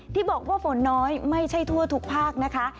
ที่บอกว่าฝนน้อยไม่ใช่ทั่วทุกภาคนะคะ